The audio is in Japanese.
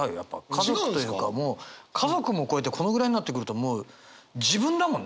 家族というかもう家族も超えてこのぐらいになってくるともう自分だもんね。